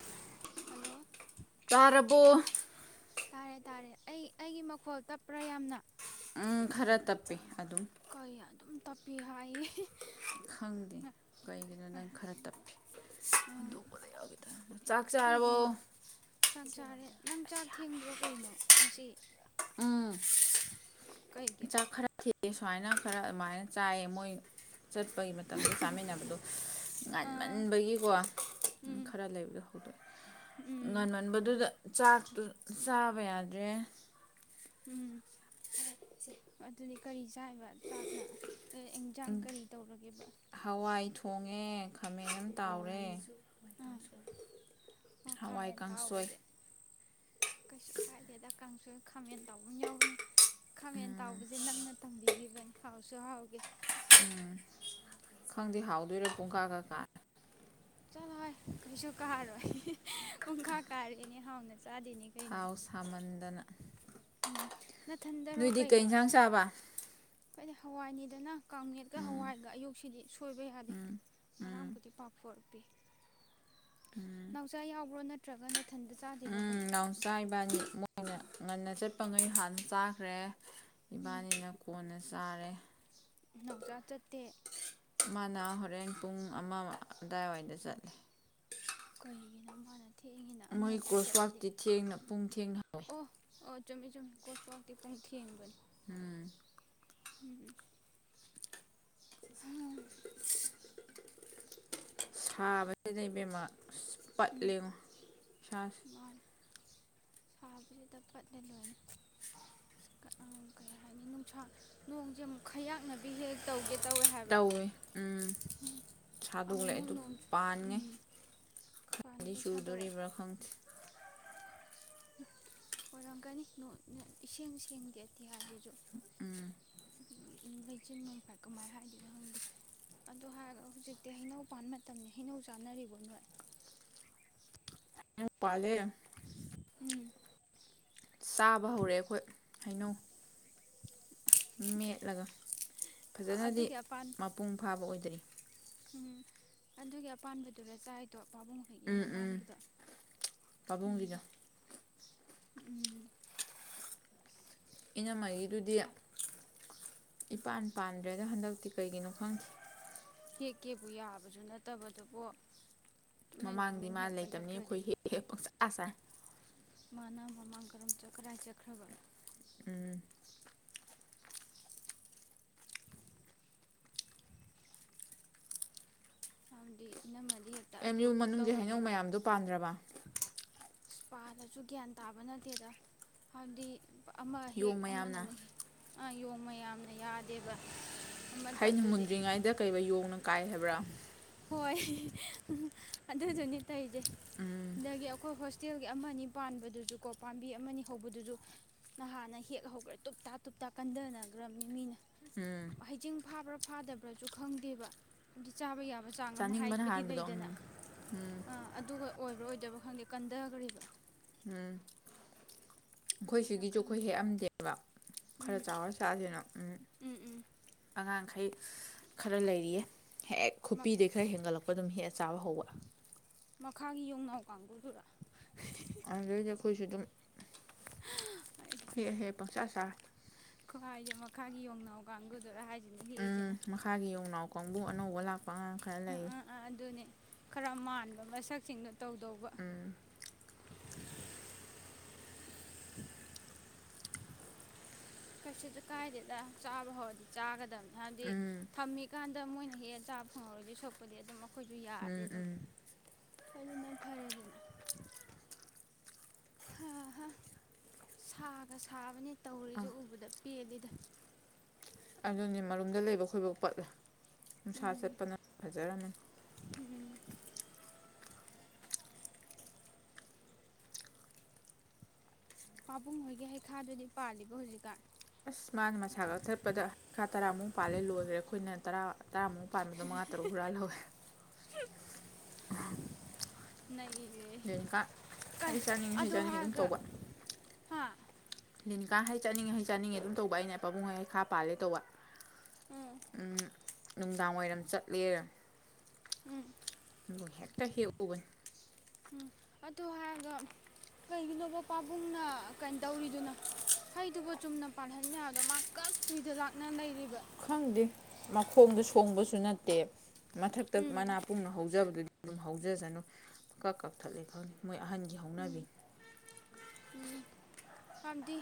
[unintelligible] Hello ꯇꯥꯔꯕꫭ ꯇꯥꯔꯦ ꯇꯥꯔꯦ ꯑꯩ ꯑꯩꯒꯤ ꯃꯈꯣꯜ ꯇꯞꯄ꯭ꯔꯥ ꯌꯥꯝꯅ ꯎꯝ ꯈꯔ ꯇꯞꯄꯤ ꯑꯗꯨꯝ ꯀꯩ ꯑꯗꯨꯝ ꯇꯄꯤ ꯍꯥꯏꯌꯦ [unintelligible] ꯈꯪꯗꯦ ꯀꯩꯒꯤꯅꯣ ꯅꯪ ꯈꯔ ꯇꯞꯄꯤ ꯑꯥ [unintelligible] ꯆꯥꯛ ꯆꯥꯔꯕꯣ ꯀꯩꯒꯤꯅꯣ [unintelligible] ꯆꯥꯛ ꯆꯥꯔꯦ ꯅꯪ ꯆꯥꯛ ꯊꯦꯡꯕ꯭ꯔꯣ ꯀꯩꯅꯣ ꯉꯁꯤ ꯎꯝ ꯀꯩꯒꯤ ꯆꯥꯛ ꯈꯔ ꯊꯦ [unintelligible] ꯁꯨꯃꯥꯏꯅ ꯈꯔ ꯑꯗꯨꯃꯥꯏꯅ ꯆꯥꯏꯌꯦ ꯃꯣꯏ ꯆꯠꯄꯒꯤ ꯃꯇꯝꯗ ꯆꯥꯃꯤꯟꯅꯕꯗꯣ ꯑꯥ ꯉꯟꯃꯟꯕꯒꯤꯀꯣ ꯎꯝ ꯈꯔ ꯂꯩꯕꯗꯣ ꯍꯧꯗꯣꯛꯏ ꯎꯝ ꯉꯥꯟꯃꯟꯕꯗꯨꯗ ꯆꯥꯛꯇꯨ ꯆꯥꯕ ꯌꯥꯗ꯭ꯔꯦ ꯎꯝ ꯑꯗꯨꯗꯤ ꯀꯔꯤ ꯆꯥꯏꯕ ꯆꯥꯛꯅ ꯑ ꯑꯦꯟꯖꯥꯡ ꯀꯔꯤ ꯇꯧꯔꯒꯦꯕ ꯍꯣꯡꯉꯦ ꯈꯥꯃꯦꯟ ꯑꯝ ꯇꯥꯎꯔꯦ ꯍꯋꯥꯏ ꯑꯥ ꯀꯥꯡꯁꯣꯏ ꯑꯣ ꯍꯋꯥꯏ ꯈꯥꯃꯦꯟ ꯀꯥꯡꯁꫭꯏ ꯇꯥꯎꯕꯁꯦ ꯀꯩꯁꯨ ꯀꯥꯏꯗꯦ ꯑꯗ ꯀꯥꯡꯁꯨ [unintelligible] ꯈꯥꯃꯦꯟ ꯇꯥꯎꯕ ꯑꯃ ꯌꯥꯎꯕꯅꯦ ꯈꯥꯃꯦꯟ ꯇꯥꯎꯕꯁꯦ ꯅꯪꯅ ꯇꯝꯕꯤꯒꯤꯕ ꯅꯤ ꯍꯥꯎꯁꯨ ꯍꯥꯎꯒꯦ ꯎꯝ ꯈꯪꯗꯦ ꯍꯥꯎꯗꯣꯏꯔꯥ ꯄꯨꯡꯀꯥꯒ ꯀꯥ ꯆꯂꯣ ꯍꯩ ꯀꯩꯁꯨ ꯀꯥꯔꫭꯏ ꯍꯤ ꯍꯤ ꯄꯨꯡꯀꯥ ꯀꯥꯔꯦꯅꯦ ꯍꯥꯎꯅ ꯆꯥꯗꯦꯅꯦ ꯀꯩꯅꯣ ꯊꯥꯎ ꯁꯥꯃꯟꯗꯅ ꯎꯝ ꯅꯊꯟꯗꯔꯣ ꯅꯣꯏꯗꯤ ꯀꯩ ꯏꯟꯁꯥꯡ ꯆꯥꯕ ꯍꯥꯏꯗꯤ ꯍꯋꯥꯏꯅꯤꯗꯅ ꯀꯥꯡꯃꯦꯠꯀ ꯍꯋꯥꯏꯒ ꯑꯌꯨꯛꯁꯤꯗꯤ ꯁꯣꯏꯕ ꯌꯥꯗꯦ ꯉꯔꯥꯡꯕꯨꯗꯤ ꯄꯥꯛꯐꫭꯔ ꯄꯤ ꯅꯥꯎꯆꯥꯥ ꯌꯥꯎꯕ꯭ꯔꯣ ꯅꯠ ꯇ‍꯭ꯔꯒ ꯅꯠ ꯎꯝ ꯅꯥꯎꯆꯥ ꯏꯕꯥꯅꯤ ꯃꯣꯏꯅ ꯉꯟꯅ ꯆꯠꯄ ꯉꯩ ꯍꯥꯟꯅ ꯆꯥꯈ꯭ꯔꯦ ꯏꯕꯥꯅꯤꯅ ꯀꯣꯟꯅ ꯆꯥꯔꯦ ꯅꯧꯆꯥ ꯆꯠꯇꯦ ꯃꯥꯅ ꯍꯣꯔꯦꯟ ꯄꯨꯡ ꯑꯃ ꯑꯗꯨꯗꯥꯏꯋꯥꯏꯗ ꯆꯠꯂꯦ ꯀꯩꯒꯤꯅꯣ ꯃꯅ ꯃꯣꯏ ꯀ꯭ꯔꯣꯁꯋꯥꯛꯇꯤ ꯊꯦꯡꯅ ꯄꯨꯡ ꯊꯦꯡꯅ ꯍꯧꯋꯏ ꯑꯣ ꯑꯣ ꯆꯨꯝꯃꯤ ꯆꯨꯝꯃꯤ ꯀꯣꯠꯋꯥꯛꯇꯤ ꯄꯨꯡꯊꯦꯡꯕꯅꯤ ꯎꯝ ꯍꯥꯝ ꯁꯥꯕꯁꯤꯗ ꯏꯕꯦꯝꯃ ꯎꯝ ꯄꯠꯂꯦꯉꯣ ꯁꯥꯥꯁꯤ ꯃꯥꯅꯤ ꯁꯥꯕꯁꯤꯗ ꯄꯠꯂꯦ ꯂꯣꯏꯅ ꯀꯩ ꯍꯥꯏꯅꯤ ꯅꯨꯡꯁꯥ ꯅꯣꯡꯁꯦ ꯑꯃꯨꯛ ꯈꯌꯥꯛꯅꯕꯕꯤ ꯍꯦꯛ ꯇꯧꯒꯦ ꯇꯧꯋꯦ ꯍꯥꯏꯕ ꯇꯧꯋꯤ ꯎꯝ ꯁꯥꯗꯣꯛꯂꯑꯦ ꯑꯃꯨꯛꯃꯨꯛ ꯑꯗꯨ ꯅꯣꯡ ꯄꯥꯟꯉꯦ ꯎꯝ ꯈꯗꯤ ꯄꯥꯟꯒꯩ ꯁꯥꯗꯣꯔꯛꯑꯦ ꯁꯨꯗꯣꯔꯤꯕ꯭ꯔꯥ ꯈꯪꯗꯦ ꯑꯣꯏꯔꯝꯒꯅꯤ ꯅꯣ ꯅꯣ ꯏꯁꯦꯡ ꯁꯦꯡꯗꯦꯗꯤ ꯑꯇꯤꯌꯥꯁꯤꯁꯨ ꯂꯩꯆꯤꯟ ꯅꯣꯡꯐꯥꯏ ꯀꯃꯥꯏꯅ ꯍꯥꯏꯗꯣꯏꯅꯣ ꯈꯪꯗꯦ ꯑꯗꯨꯗꯣ ꯍꯥꯏꯔꯒ ꯍꯧꯖꯤꯛꯇꯤ ꯍꯩꯅꯧ ꯄꯥꯟꯕꯥꯟ ꯃꯇꯝꯅꯤ ꯍꯩꯅꯧ ꯆꯥꯅꯔꯤꯕ ꯅꯣꯏ ꯍꯩꯅꯧ ꯄꯥꯂꯦ ꯎꯝ ꯆꯥꯕ ꯍꯧꯔꯦ ꯑꯩꯈꯣꯏ ꯍꯩꯅꯧ ꯃꯦꯠꯂꯒ ꯐꯖꯅꯗꯤ ꯑꯗꯨꯒꯤ ꯑꯄꯥꯟ ꯃꯄꯨꯡ ꯐꯥꯕ ꯑꯣꯏꯗ꯭ꯔꯤ ꯎꯝ ꯑꯗꯨꯒꯤ ꯑꯄꯥꯟꯕꯗꯨꯔ ꯆꯥꯏꯗꯣ ꯄꯥꯕꯨꯡ ꯍꯣꯏꯒꯤ ꯎꯝ ꯎꯝ ꯃꯃꯥꯡꯒꯤꯗꯣ ꯎꯝ ꯄꯥꯕꯨꯡꯒꯤꯗꯣ ꯎꯝ ꯏꯅꯝꯃꯒꯤꯗꯨꯗꯤ ꯑꯁ ꯏꯄꯥꯟ ꯄꯥꯟꯗ꯭ꯔꯦꯗ ꯍꯟꯗꯛꯇꯤ ꯀꯩꯒꯤꯅꯣ ꯈꯪꯗꯦ ꯍꯦꯛꯀꯦꯕꯨ ꯌꯥꯕꯁꯨ ꯅꯠꯇꯕꯗꯨꯕꯨ ꯇꯨꯃꯤꯟ ꯃꯃꯥꯡꯗꯤ ꯇꯨꯃꯤꯟ ꯃꯥ ꯍꯦꯛꯄ ꯂꯩꯇꯕꯅꯤ ꯅꯠꯇ꯭ꯔꯗꯤ ꯑꯩꯈꯣꯏ ꯍꯦꯛ ꯍꯦꯛ ꯄꯪꯆꯥ ꯆꯥꯏ ꯃꯥꯅ ꯃꯃꯥꯡ ꯀꯔꯝ ꯆꯠ ꯀꯥꯏ ꯆꯠꯈ꯭ꯔꯕ ꯎꯝ ꯑꯗꯤ ꯏꯅꯝꯃꯥꯅ꯫ ꯑꯦꯝ ꯌꯨ ꯃꯅꯨꯡꯒꯤ ꯍꯩꯅꯧ ꯃꯌꯥꯝꯗꯣ ꯄꯥꯟꯗ꯭ꯔꯕ ꯏꯁꯄꯥꯂꯁꯨ ꯒ꯭ꯌꯥꯟ ꯇꯥꯕ ꯅꯠꯇꯦꯗ ꯍꯥꯏꯕꯗꯤ ꯑꯃ ꯍꯦꯛ ꯌꯣꯡ ꯃꯌꯥꯝꯅ ꯑꯃꯅꯃꯨꯛ ꯍꯦꯛ ꯌꯣꯡ ꯃꯌꯥꯝꯅ ꯌꯥꯗꯦꯕ ꯑꯃꯇ ꯍꯩꯅ ꯑꯗꯨꯗꯤ ꯃꯨꯟꯗ꯭ꯔꯤꯉꯩꯗ ꯀꯩꯕ ꯌꯣꯡꯅ ꯀꯥꯏ ꯍꯥꯏꯕ꯭ꯔꯥ ꯍꯣꯏ ꯑꯗꯨꯗꯨꯅꯤ ꯇꯩꯁꯦ ꯎꯝ ꯑꯗꯒꯤ ꯑꯩꯈꯣꯏ ꯍꯣꯁ ꯍꯣꯁꯇꯦꯜꯒꯤ ꯑꯃꯅꯤ ꯄꯥꯟꯕꯗꯨꯁꯨ ꯀꯣ ꯄꯥꯝꯕꯤ ꯑꯃꯅꯤ ꯍꯧꯕꯗꯨꯁꯨ ꯅꯍꯥꯟꯅ ꯍꯦꯛ ꯍꯧꯈ꯭ꯔꯦ ꯇꯨꯞꯇꯥ ꯇꯨꯞꯇꯥ ꯀꯟꯊꯅꯈ꯭ꯔꯕꯅꯤ ꯃꯤꯅ ꯎꯝ ꯍꯩꯖꯤꯡ ꯐꯥꯕ꯭ꯔ ꯐꯥꯗꯕ꯭ꯔꯁꯨ ꯈꯪꯗꯦꯕ ꯑꯗꯨꯗꯤ ꯆꯥꯕ ꯌꯥꯕ ꯆꯥꯡ ꯑꯃ ꯆꯥꯅꯤꯡꯕꯅ ꯍꯥꯏꯕꯗꯤ ꯍꯥꯟꯕꯗꯣ ꯎꯝ ꯂꯩꯗꯅ ꯎꯝ ꯑꯗꯨꯒ ꯑꯣꯏꯕ꯭ꯔꯣ ꯑꯣꯏꯗ ꯗꯕꯔꯥ ꯈꯪꯗꯦ ꯀꯟꯗꯥꯒꯔꯤꯕ ꯎꯝ ꯑꯩꯈꯣꯏ ꯑꯗꯨꯅ ꯁꯤꯒꯤꯁꯨ ꯑꯩꯈꯣꯏ ꯈꯪꯗꯦ ꯍꯦꯛꯑꯝꯗꯦꯕ ꯈꯔ ꯎꯝ ꯆꯥꯎꯔ ꯆꯥꯁꯦꯅ ꯎꯝ ꯎꯝ ꯑꯉꯥꯡꯈꯩ ꯈꯔ ꯂꯩꯔꯤꯌꯦ ꯍꯦꯛ ꯈꯨꯄꯤꯗꯩ ꯈꯔ ꯍꯦꯟꯒꯠꯂꯛꯄ ꯑꯗꯨꯝ ꯍꯦꯛꯑ ꯆꯥꯕ ꯍꯧꯕ ꯃꯈꯥꯒꯤ ꯌꯣꯡꯅꯥꯎ ꯀꯥꯡꯒꯨꯗꯨꯔꯥ ꯑꯗꯨꯗꯩꯗꯤ ꯑꯩꯈꯣꯏꯁꯨ ꯑꯗꯨꯝ ꯍꯦꯛ ꯍꯦꯛ ꯄꯪꯆꯥ ꯆꯥꯔꯦ ꯈꯨꯍꯥꯏꯖ ꯃꯈꯥꯒꯤ ꯌꯣꯡꯅꯥꯎ ꯀꯥꯡꯒꯨ ꯎꯝ ꯃꯈꯥꯒꯤ ꯌꯣꯡꯅꯥꯎ ꯀꯥꯡꯕꯨ ꯑꯅꯧꯕ ꯂꯥꯛꯄ ꯑꯉꯥꯡ ꯈꯔ ꯑ ꯂꯩꯌꯦ ꯑ ꯑ ꯑꯗꯨꯅꯦ ꯈꯔ ꯃꯥꯟꯕ ꯃꯁꯛꯁꯤꯡꯗꯣ ꯇꯧꯗꯧꯕ [inaudible] ꯎꯝ ꯀꯩꯁꯨꯖꯨ ꯀꯥꯏꯗꯦꯗ ꯆꯥꯕ ꯍꯧꯔꯗꯤ ꯆꯥꯒꯗꯝꯅꯤ ꯍꯥꯏꯕꯗꯤ ꯎꯝ ꯊꯝꯃꯤꯀꯥꯟꯗ ꯃꯣꯏꯅ ꯍꯦꯛꯑ ꯆꯥꯕ ꯐꯪꯍꯧꯔꯣꯏꯗꯤ ꯁꯣꯛꯄꯨꯗꯤ ꯑꯗꯨꯝ ꯑ ꯑꯩꯈꯣꯏꯁꯨ ꯌꯥꯔꯗꯤ ꯎꯝ ꯑꯗꯨꯝ ꯎꯝ ꯑꯗꯨꯅ ꯐꯔꯦꯗꯅ ꯍꯥ ꯍꯥꯥ ꯁꯥꯒ ꯁꯥꯕꯅꯦ ꯇꯧꯔꯤꯖꯦ ꯑꯥ ꯎꯕꯗ ꯄꯦꯜꯂꯤꯗ ꯑꯗꯨꯅꯦ ꯃꯔꯨꯝꯗ ꯂꯩꯕ ꯈꯣꯏꯕꯥꯎ ꯄꯠꯂꯦ ꯅꯨꯡꯁꯥ ꯎꯝ ꯆꯠꯄꯅꯪ ꯐꯖꯔꯝꯃꯅꯤ ꯎꯝ ꯄꯥꯕꯨꯡ ꯍꯣꯏꯒꯤ ꯍꯩꯈꯥꯗꯨꯗꯤ ꯄꯥꯜꯂꯤꯕꯣ ꯍꯧꯖꯤꯛꯀꯥꯟ ꯑꯁ ꯃꯥꯅ ꯃꯁꯥ ꯀꯛꯊꯠꯄꯗꯥ ꯈꯥ ꯇꯔꯥꯃꯨꯛ ꯄꯥꯜꯂꯦ ꯂꯣꯏꯒꯔꯦ ꯑꯩꯈꯣꯏꯅ ꯇꯔꯥ ꯇꯔꯥꯃꯨꯛ ꯄꯥꯟꯕꯗꯣ ꯃꯉꯥ ꯇꯔꯨꯛ ꯍꯨꯔꯥꯜ ꯍꯧꯋꯦ ꯅꯩ ꯂꯦꯟꯀꯥ ꯍꯩ ꯆꯥꯅꯤꯡꯉꯤ ꯍꯩ ꯆꯥꯅꯤꯡꯉꯤ ꯑꯗꯨꯝ ꯍꯥꯏꯔꯒ ꯇꯧꯕ ꯍꯥ ꯂꯤꯅꯤꯀꯥ ꯍꯩ ꯆꯠꯅꯤꯡꯉꯦ ꯍꯩ ꯆꯠꯅꯤꯡꯉꯦ ꯑꯗꯨꯝ ꯇꯧꯕ ꯑꯩꯅ ꯄꯥꯕꯨꯡꯍꯣꯏ ꯍꯩ ꯈꯥ ꯄꯥꯜꯂꯦ ꯇꯧꯕ ꯎꯝ ꯅꯨꯡꯗꯥꯡ ꯋꯥꯏꯔꯝ ꯆꯠꯂꯦ ꯎꯝ ꯗꯨꯒ ꯍꯦꯛꯇ ꯍꯦꯛꯎꯕꯅꯤ ꯎꯝ ꯑꯗꯨ ꯍꯥꯏꯔꯒ ꯀꯩꯒꯤꯅꯣꯕ ꯄꯥꯕꯨꯡꯅ ꯀꯩꯅꯣ ꯇꯧꯔꯤꯗꯨꯅ ꯍꯩꯗꯨꯕꯨ ꯆꯨꯝꯅ ꯄꯥꯜꯍꯟ ꯌꯥꯗꯣ ꯃꯥꯀꯛ ꯇꯣꯏꯗ ꯂꯥꯛꯅ ꯂꯩꯔꯤꯕ ꯈꯪꯗꯦ ꯃꯈꯣꯡꯗ ꯁꯣꯡꯕꯁꯨ ꯅꯠꯇꯦ ꯃꯊꯛꯇ ꯎꯝ ꯃꯅꯥ ꯄꯨꯡꯅ ꯍꯧꯖꯕꯗꯨꯗꯤ ꯑꯗꯨꯝ ꯍꯧꯖꯁꯅꯨ ꯀꯛ ꯀꯛꯊꯠꯂꯤ ꯈꯪꯗꯦ ꯃꯣꯏ ꯑꯍꯟꯒꯤ ꯍꯧꯅꯕꯤꯅꯤ ꯍꯥꯏꯕꯗꯤ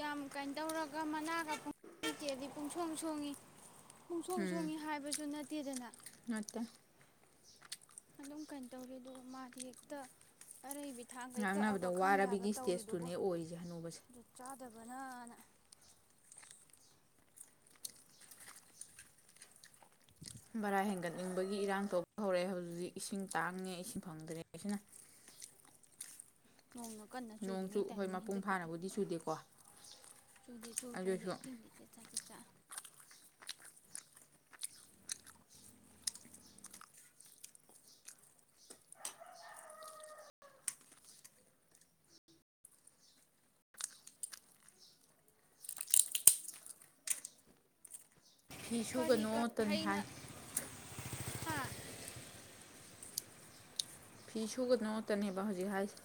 ꯌꯥꯝ ꯀꯥꯏ ꯇꯧꯔꯒ ꯃꯅꯥꯒ ꯄ [inaudible] ꯂꯩꯇꯦꯗꯤ ꯄꯨꯡꯁꯣꯡ ꯁꯣꯡꯉꯤ ꯈꯣꯡ ꯁꯣꯡ ꯎꯝ ꯁꯣꯡꯉꯤ ꯍꯥꯏꯕꯁꯨ ꯅꯠ ꯇꯦꯗꯅ ꯅꯠꯇꯦ ꯑꯗꯨꯝ ꯀꯩꯅꯣ ꯇꯧꯔꯤ ꯑꯗꯨꯒ ꯃꯥꯗꯤ ꯍꯦꯛꯇ ꯑꯔꯩꯕꯤ ꯊꯥꯡꯒꯩ ꯉꯥꯡꯅꯕꯗ ꯀꯛꯑꯕ ꯈꯪꯗꯦ ꯍꯥꯏꯕ ꯋꯥꯔꯕꯤꯒꯤ ꯏꯁꯇꯦꯖꯇꯨꯅꯦ ꯑꯣꯏꯔꯤꯖꯦ ꯍꯅꯨꯕꯁꯦ ꯇꯕꯅꯥ ꯅꯥ ꯚꯔꯥ ꯍꯦꯟꯒꯠꯅꯤꯡꯕꯒꯤ ꯏꯔꯥꯡ ꯇꯧꯕ ꯍꯧꯔꯛꯑꯦ ꯍꯧꯖꯤ ꯍꯧꯖꯤꯛ ꯏꯁꯤꯡ ꯇꯥꯡꯉꯦ ꯏꯁꯤꯡ ꯐꯪꯗ꯭ꯔꯦ ꯑꯁꯤꯅ ꯅꯣꯡꯅ ꯀꯟꯅ ꯅꯣꯡꯁꯨ ꯆꯨꯔꯤꯉꯩ ꯍꯣꯏ ꯇꯥꯏꯃꯤꯡ ꯃꯄꯨꯡ ꯍꯟꯗꯛꯀꯤꯗꯤ ꯐꯥꯅꯕꯨꯗꯤ ꯆꯨꯗꯦꯀꯣ ꯆꯨꯗꯦ ꯑꯗꯨ ꯆꯨꯗ꯭ꯔꯁꯨ ꯑꯣꯏꯁꯨ ꯏꯁꯤꯡꯗꯤ ꯆꯦꯠ ꯆꯥꯛ ꯆꯦꯠ ꯆꯠ ꯐꯤ ꯀꯔꯤ ꯁꯨꯒꯅꯣ ꯀꯔꯤ ꯇꯅꯤ ꯍꯥꯏ ꯍꯩꯅ ꯍꯥ ꯐꯤ ꯁꯨꯒꯗꯣꯇꯅꯦꯕ ꯍꯧꯖꯤꯛ ꯍꯥꯏꯁꯦ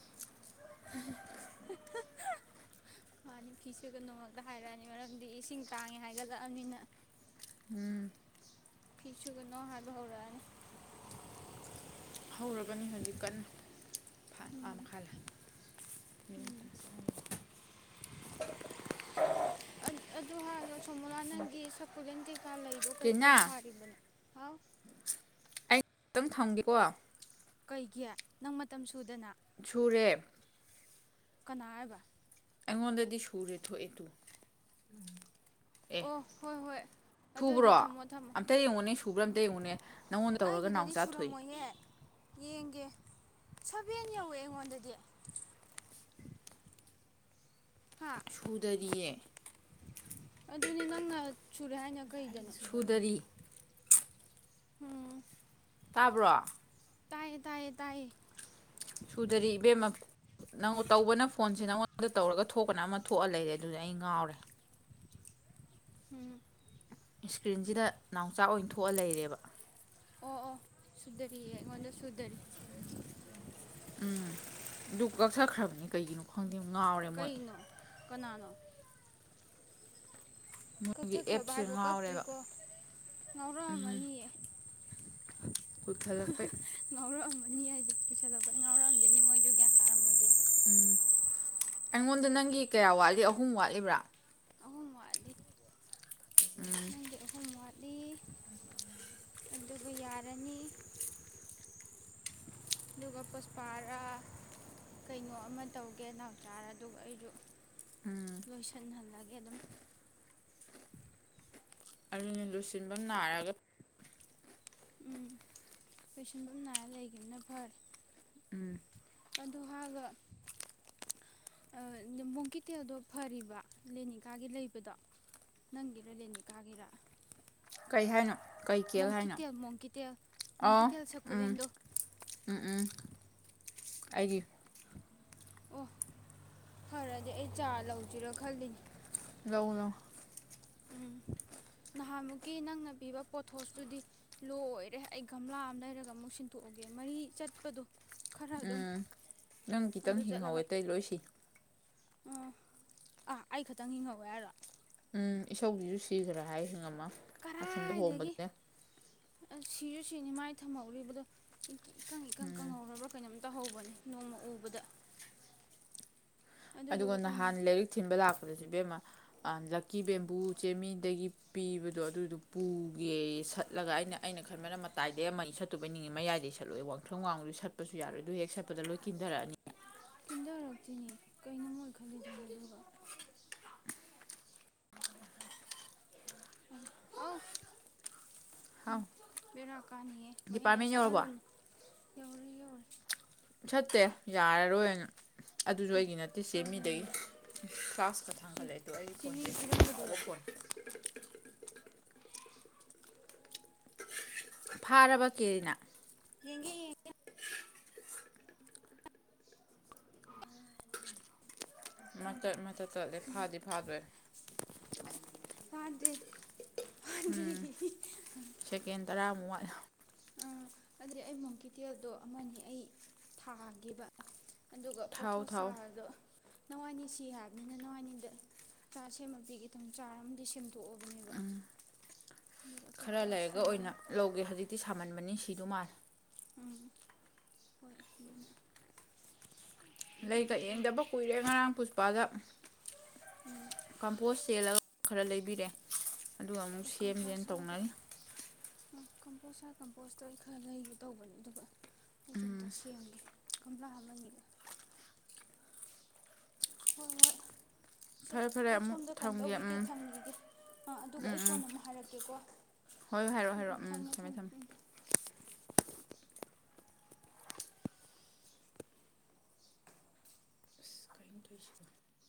[inaudible] ꯃꯥꯅꯤ ꯐꯤꯁꯨ ꯀ ꯅꯣꯡꯃꯛꯇ ꯍꯥꯏꯔꯛꯑꯅꯤ ꯃꯔꯝꯗꯤ ꯏꯁꯤꯡ ꯇꯥꯡꯉꯦ ꯍꯥꯏꯒꯠꯂꯛꯑꯅꯤꯅ ꯐꯤꯁꯨꯒꯅꯣ ꯍꯥꯔꯕ ꯍꯧꯔꯅꯤ ꯍꯧꯔꯕꯅꯤ ꯍꯧꯖꯤꯛ ꯀꯟꯅ ꯐꯥ ꯑꯥ ꯎꯝ ꯃꯈꯥ ꯂꯥꯛ ꯎꯝ ꯑꯗꯨ ꯍꯅ ꯁꯣꯃꯣꯅꯥꯊꯟꯒꯤ ꯁꯄꯨꯂꯥꯟꯗ ꯀꯥ ꯂꯩꯗꯣ ꯀꯩ ꯀꯩ ꯇꯤꯅꯥ ꯊꯥꯔꯤꯕꯅꯣ ꯍꯥꯎ ꯈꯤꯇꯪ ꯊꯝꯒꯦꯀꯣ ꯀꯩꯒꯤꯦ ꯅꯪ ꯃꯇꯝ ꯁꯨꯗꯅ ꯁꯨꯔꯦ ꯀꯅꯥ ꯍꯥꯏꯕ ꯑꯩꯉꯣꯟꯗꯗꯤ ꯁꯨꯔꯦ ꯊꯣꯛꯑꯦ ꯇꯨ ꯑꯦ ꯑꯣ ꯍꯣꯏ ꯍꯣꯏ ꯁꯨꯕ꯭ꯔꯣ ꯑꯗꯨꯑꯣꯏꯗꯤ ꯊꯝꯃꯣ ꯊꯝꯃꯣ ꯑꯝꯇ ꯌꯦꯡꯉꯨꯅꯦ ꯁꯨꯕ꯭ꯔꯥ ꯑꯝꯇ ꯌꯦꯡꯉꯨꯅꯦ ꯅꯪꯉꯣꯟꯗ ꯇꯧꯔꯒ ꯑꯩꯒꯤꯗꯗꯤ ꯅꯥꯎꯆꯥꯥ ꯊꯣꯛꯏ ꯁꯨꯔꯝꯃꯣꯏꯍꯦ ꯌꯦꯡꯒꯦ ꯁꯕꯦꯟ ꯌꯧꯋꯦ ꯑꯩꯉꯣꯟꯗꯗꯤ ꯍꯥ ꯁꯨꯗꯔꯤꯌꯦ ꯑꯗꯨꯅꯤ ꯅꯪꯅ ꯁꯨꯔꯦ ꯍꯥꯏꯅ ꯀꯩꯗꯅꯣ ꯁꯨꯗꯔꯤ ꯎꯝ ꯇꯥꯕ꯭ꯔꯣ ꯇꯥꯏꯌꯦ ꯇꯥꯏꯌꯦ ꯇꯥꯏꯌꯦ ꯁꯨꯗꯔꯤ ꯏꯕꯦꯝꯃ ꯅꯪ ꯇꯧꯕꯅ ꯐꯣꯟꯁꯦ ꯅꯪꯉꯣꯟꯗ ꯇꯧꯔꯒ ꯊꯣꯛꯄꯅ ꯑꯃ ꯊꯣꯛꯑ ꯂꯩꯔꯦ ꯑꯗꯨꯗꯤ ꯑꯩ ꯉꯥꯎꯔꯦ ꯎꯝ ꯏꯁꯀ꯭ꯔꯤꯟꯁꯤꯗ ꯅꯥꯎꯆꯥꯛ ꯑꯣꯏꯅ ꯊꯣꯛꯑ ꯂꯩꯔꯦꯕ ꯑꯣ ꯑꯣ ꯁꯨꯗꯔꯤꯌꯦ ꯑꯩꯉꯣꯟꯗ ꯁꯨꯗꯔꯤ ꯎꯝ ꯑꯗꯨ ꯀꯛꯁꯈ꯭ꯔꯕꯅꯤ ꯀꯩꯒꯤꯅꯣ ꯈꯪꯗꯦ ꯗꯤꯝ ꯉꯥꯎꯔꯦ ꯃꯣꯏ ꯀꯩꯅꯣ ꯀꯅꯥꯅꯣ ꯃꯣꯏꯒꯤ ꯀꯛꯊꯈ꯭ꯔꯕ ꯑꯦꯞꯁꯦ ꯍꯥꯏꯕꯣ ꯉꯥꯎꯔꯦꯕ ꯀꯛꯇ꯭ꯔꯤꯀꯣ ꯉꯥꯎꯔꯛꯑꯝꯃꯅꯤꯌꯦ ꯀꯨꯊꯠꯂꯛꯄꯩ ꯅꯤ ꯍꯥꯏꯁꯦ ꯄꯩꯁꯥꯂꯄ ꯉꯥꯎꯔꯝꯗꯦꯅꯤ ꯃꯣꯏꯗꯨ ꯒ꯭ꯌꯥꯟ ꯇꯥꯔꯝꯣꯏ ꯗ ꯎꯝ ꯑꯩꯉꯣꯟꯗ ꯅꯪꯒꯤ ꯀꯌꯥ ꯋꯥꯠꯂꯤ ꯑꯍꯨꯝ ꯋꯥꯠꯂꯤꯕ꯭ꯔꯥ ꯑꯍꯨꯝ ꯃꯥꯗꯤ ꯅꯪꯒꯤꯜ ꯃꯉꯜ ꯑꯗꯨꯒ ꯌꯥꯔꯅꯤ ꯑꯗꯨꯒ ꯄꯁꯄꯥꯔ ꯀꯩꯅꯣ ꯑꯃ ꯇꯧꯒꯦ ꯅꯥꯎꯆꯥꯥꯔ ꯑꯗꯨꯒ ꯑꯩꯁꯨ ꯎꯝ ꯂꯣꯏꯁ ꯜ ꯂꯒꯦ ꯌꯦ ꯑꯗꯨꯝ ꯑꯗꯨꯅ ꯂꯨꯁꯤꯟꯕ ꯅꯥꯏꯔꯒ ꯎꯝ ꯂꯣꯏꯁꯤꯟꯕꯥꯃꯥ ꯅꯥꯏꯔ ꯂꯩꯈꯤꯕꯈꯤꯕꯅ ꯐꯔꯦ ꯎꯝ ꯑꯗꯨ ꯍꯥꯏꯒ ꯃꯣꯡꯀꯤꯇꯦꯜꯗꯣ ꯐꯔꯤꯕ ꯂꯦꯅꯤꯀꯥꯒꯤ ꯂꯩꯕꯗꯣ ꯅꯪꯒꯤꯔꯥ ꯂꯦꯅꯤꯀꯥꯒꯤꯔꯥ ꯀꯩ ꯍꯥꯏꯅꯣ ꯀꯩ ꯀꯦꯛ ꯍꯥꯏꯅꯣ ꯃꯣꯡꯀꯤꯇꯦꯜ ꯃꯣꯡꯀꯤꯇꯦꯜ ꯑꯣ ꯃꯣꯡꯀꯤꯇꯦꯜ ꯎꯝ ꯁꯀꯨꯂꯦꯟꯗ ꯎꯝ ꯎꯝ ꯑꯩꯒꯤ ꯑꯣ ꯐꯔꯗꯤ ꯑꯩ ꯆꯥ ꯂꯧꯁꯤꯔꯥ ꯈꯜꯂꯤꯅꯤ ꯂꯧ ꯂꯧ ꯎꯝ ꯅꯍꯥꯟꯃꯨꯛꯀꯤ ꯅꯪꯅ ꯄꯤꯕ ꯄꯣꯊꯣꯁꯇꯨꯗꯤ ꯂꯣꯏꯔꯦ ꯑꯩ ꯒꯝꯂꯥ ꯑꯃ ꯂꯩꯔꯒ ꯑꯃꯨꯛ ꯁꯤꯟꯗꯣꯛꯑꯒꯦ ꯃꯔꯤ ꯆꯠꯄꯗꯣ ꯈꯔ ꯑꯗꯨꯝ ꯎꯝ ꯅꯪ ꯈꯤꯇꯪ ꯍꯤꯡꯍꯧꯋꯦ ꯑꯇꯩ ꯂꯣꯏꯁꯤ ꯑ ꯑꯥ ꯑꯩ ꯈꯇꯪ ꯍꯤꯡꯍꯧꯋꯦ ꯍꯥꯏꯔꯣ ꯎꯝ ꯏꯁꯧꯗꯨꯁꯨ ꯁꯤꯈ꯭ꯔꯦ ꯍꯥꯏ ꯉꯝ ꯑꯁꯨꯝꯗ ꯀꯔꯥꯏꯗꯒꯤ ꯍꯣꯡꯕꯒꯦꯅꯦ ꯁꯤꯁꯨ ꯁꯤꯅꯤ ꯃꯥꯏ ꯊꯝꯍꯧꯔꯤꯕꯗꯣ ꯏꯀꯪ ꯎꯝ ꯏꯀꯪꯍꯧꯔꯕ꯭ꯔ ꯀꯩꯅꯣꯝꯇ ꯇꯍꯧꯍꯧ ꯅꯣꯡꯃ ꯎꯕꯗ ꯑꯗꯨꯒ ꯑꯗꯨꯗꯨꯒ ꯀꯩꯅꯣ ꯅꯍꯥꯟ ꯂꯥꯏꯔꯤꯛ ꯊꯤꯟꯕ ꯂꯥꯛꯄꯗꯁꯨ ꯏꯕꯦꯝꯃ ꯂꯛꯀꯤ ꯕꯦꯝꯕꯨ ꯆꯦꯃꯤꯗꯒꯤ ꯄꯤꯕꯗꯣ ꯑꯗꯨꯗꯨ ꯄꯨꯒꯦ ꯁꯠꯂꯒ ꯑꯩꯅ ꯑꯩꯅ ꯈꯟꯕꯅ ꯃꯇꯥꯏꯗꯒꯤ ꯑꯃ ꯑꯅꯤ ꯑ ꯁꯠꯇꯨꯕꯩ ꯅꯤꯡꯉꯤ ꯃꯌꯥꯏꯗꯒꯤ ꯁꯠꯂꯨꯌꯦ ꯋꯥꯇꯔꯤꯡ ꯋꯥꯡꯕꯨꯗꯨ ꯁꯠꯄꯁꯨ ꯌꯥꯔꯣꯏ ꯑꯗꯨ ꯍꯦꯛ ꯁꯠꯄꯗ ꯂꯣꯏ ꯀꯤꯟꯊꯔꯛꯑꯅꯤ ꯄꯤꯟꯊꯔꯛꯇꯣꯏꯅꯦ ꯀꯩꯅꯣ ꯑꯣꯏ ꯈꯜꯂꯤꯂꯨꯅꯥ ꯑꯗꯨꯒ ꯑꯝ ꯍꯥꯎ ꯕꯦꯔꯥ ꯀꯥꯅꯤꯍꯦ [inaudible] ꯗꯤꯄꯥꯔꯠꯃꯦꯟ ꯌꯧꯔꯕꯣ ꯁꯂꯍꯜꯂꯨꯅꯨ ꯁꯠꯇꯦ ꯌꯥꯔꯥꯔꯣꯏꯅ ꯑꯗꯨꯁꯨ ꯑꯦ ꯑꯩꯒꯤ ꯅꯠꯇꯦ ꯆꯃꯤꯗꯒꯤ [inaudible] [inaudible] [inaudible] ꯁꯣꯏꯂꯦꯝꯗ ꯁꯤ ꯁꯤ ꯃꯤꯒꯤ ꯄꯤꯔꯝꯕꯗꯨꯔꯣ ꯐꯥꯔꯕ ꯀꯦꯔꯤꯅ ꯌꯦꯡꯒꯦ ꯌꯦꯡꯒꯦ ꯃꯇꯠ ꯃꯇꯠ ꯇꯠꯂꯦ ꯐꯥꯗꯤ ꯐꯥꯗꯔꯦ ꯆꯥꯗ꯭ꯔꯤ ꯎꯝ ꯁꯦꯀꯦꯟ ꯇꯔꯥꯃꯨꯛ ꯋꯥꯠ ꯑꯥ ꯑꯗꯨꯗꯤ ꯑꯩ ꯃꯣꯡꯀꯤꯇꯦꯜꯗꯣ ꯑꯃꯥ ꯑꯅꯤ ꯑꯩ ꯊꯥꯒꯦꯕꯥ ꯑꯗꯨꯒ ꯊꯥꯎ ꯄꯣꯠꯊꯣꯛ ꯊꯥꯎ ꯆꯥꯔꯗꯣ ꯅꯋꯥꯅꯤꯁꯤ ꯍꯥꯏꯕꯅꯤꯅ ꯅꯋꯥꯏꯅꯤꯗ ꯆꯥ ꯁꯦꯝꯃ ꯄꯤꯒꯦ ꯇꯧꯅꯤ ꯆꯥꯔ ꯑꯃꯗꯤ ꯁꯦꯝꯛꯑꯣ ꯎꯝ ꯑꯗꯨꯒ ꯈꯔ ꯑꯇꯣꯞꯄꯒ ꯂꯩꯔꯒ ꯑꯣꯏꯅ ꯁꯦꯝꯒꯦꯅ ꯂꯧꯒꯦ ꯍꯧꯖꯤꯛꯇꯤ ꯁꯥꯃꯟꯕꯅꯤ ꯐꯤꯗꯨꯃꯥꯂꯦ ꯎꯝ ꯍꯣꯏ ꯑꯗꯨꯅ ꯂꯩꯒ ꯌꯦꯡꯗꯕ ꯀꯨꯏꯔꯦ ꯉꯔꯥꯡ ꯄꯨꯂꯄꯥꯗ ꯀꯝꯄꯣꯁ ꯆꯦꯜꯂꯒ ꯈꯔ ꯂꯩꯕꯤ ꯕꯤꯔꯦ ꯑꯗꯨꯒ ꯑꯃꯨꯛ ꯑꯦ ꯁꯦꯝꯖꯦ ꯀꯝꯄꯣꯁ ꯁꯥꯒ ꯇꯧꯅꯔꯤ ꯎꯝ ꯀꯝꯄꯣꯁ ꯍꯥꯏꯔ ꯀꯝꯄꯣꯁꯇꯣ ꯑꯩ ꯈꯔ ꯂꯩꯒꯦ ꯇꯧꯕꯅꯦ ꯑꯗꯨꯒ ꯑꯩꯖꯣꯝꯗ ꯁꯦꯝꯒꯦ ꯒꯝꯂ ꯑꯃꯅꯤꯒ ꯍꯣꯏ ꯍꯣꯏ ꯁꯦ ꯐꯔꯦ ꯐꯔꯦ ꯑꯩ ꯑꯃꯨꯛ ꯁꯣꯝꯗ ꯀꯩꯅꯣ ꯊꯝꯒꯦ ꯇꯧꯈꯤꯒꯦ ꯎꯝ ꯊꯝꯈꯤꯒꯦ ꯑꯥ ꯑꯗꯨꯒ ꯑꯩ ꯎꯝ ꯀꯣꯟꯅ ꯑꯃꯨꯛ ꯍꯥꯏꯔꯛꯀꯦꯀꯣ ꯎꯝ ꯎꯝ ꯊꯝꯃꯦ ꯊꯝꯃꯦ ꯎꯝ [unintelligible]